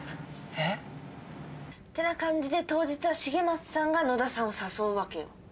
えっ？ってな感じで当日は重松さんが野田さんを誘うわけよ。